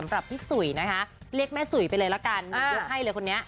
สำหรับพี่สุยเรียกแม่สุยไปเลยล่ะกัน